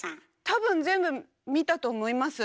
多分全部見たと思います。